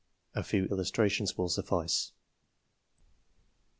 A few illustrations will suffice.